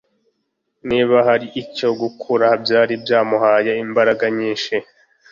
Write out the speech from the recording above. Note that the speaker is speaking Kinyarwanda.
niba hari icyo, gukura byari byamuhaye imbaraga nyinshi